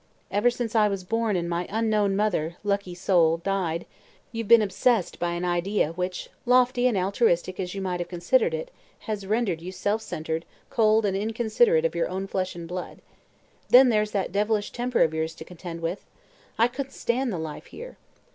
Ever since I was born and my unknown mother lucky soul! died, you've been obsessed by an idea which, lofty and altruistic as you may have considered it, has rendered you self centered, cold and inconsiderate of your own flesh and blood. Then there's that devilish temper of yours to contend with. I couldn't stand the life here.